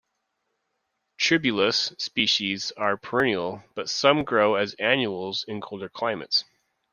"Tribulus" species are perennial, but some grow as annuals in colder climates.